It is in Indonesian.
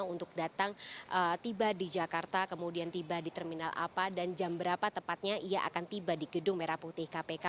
untuk datang tiba di jakarta kemudian tiba di terminal apa dan jam berapa tepatnya ia akan tiba di gedung merah putih kpk